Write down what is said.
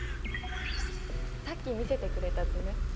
さっき見せてくれた図ね。